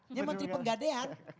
ini menteri penggadean